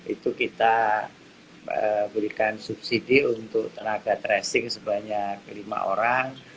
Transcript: itu kita berikan subsidi untuk tenaga tracing sebanyak lima orang